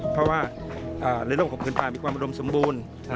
เพราะว่าเรื่องชบพื้นปลามีความผิดโรงสมบูรณ์